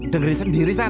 dengerin sendiri san